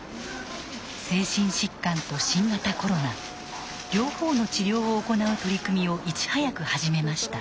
精神疾患と新型コロナ両方の治療を行う取り組みをいち早く始めました。